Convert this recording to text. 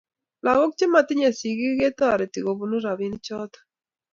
lagook chematinyei sigiik ketoreti kobuno robinichoto